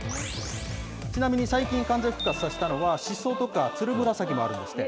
ちなみに最近完全復活させたのは、しそとか、つるむらさきもあるんですって。